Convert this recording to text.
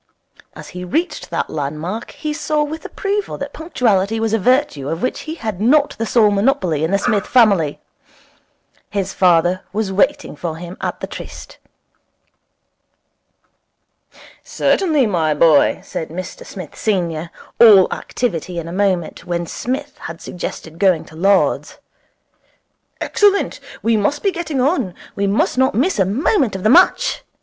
As he reached that land mark he saw with approval that punctuality was a virtue of which he had not the sole monopoly in the Smith family. His father was waiting for him at the tryst. 'Certainly, my boy,' said Mr Smith senior, all activity in a moment, when Psmith had suggested going to Lord's. 'Excellent. We must be getting on. We must not miss a moment of the match.